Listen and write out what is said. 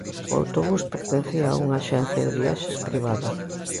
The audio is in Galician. O autobús pertencía a unha axencia de viaxes privada.